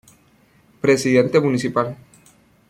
Presidente Municipal.